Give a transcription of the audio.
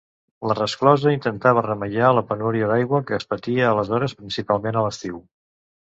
La resclosa intentava remeiar la penúria d'aigua que es patia aleshores, principalment a l'estiu.